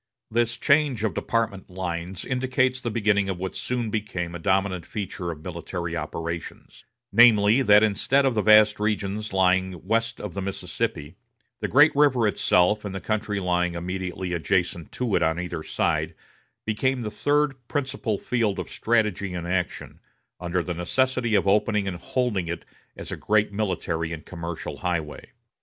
This change of department lines indicates the beginning of what soon became a dominant feature of military operations; namely, that instead of the vast regions lying west of the Mississippi, the great river itself, and the country lying immediately adjacent to it on either side, became the third principal field of strategy and action, under the necessity of opening and holding it as a great military and commercial highway.